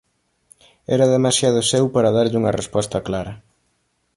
era demasiado seu para darlle unha resposta clara.